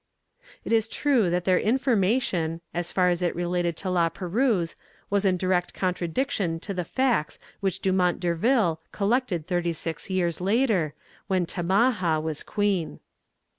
It is true that their information, as far as it related to La Perouse, was in direct contradiction to the facts which Dumont Durville collected thirty six years later, when Tamaha was queen.